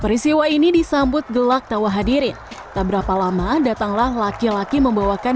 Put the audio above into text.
perisiwa ini disambut gelak tawa hadirin tak berapa lama datanglah laki laki membawakan